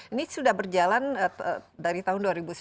ini sudah berjalan dari tahun dua ribu sembilan belas